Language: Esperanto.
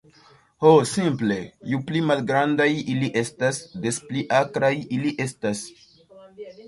"Ho simple, ju pli malgrandaj ili estas, des pli akraj ili estas."